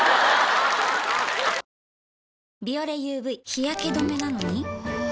日焼け止めなのにほぉ。